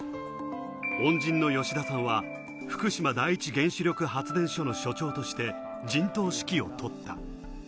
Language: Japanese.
恩人の吉田さんは福島第一原子力発電所の所長として陣頭指揮をとった。